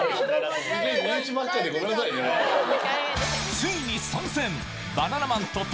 ついに参戦！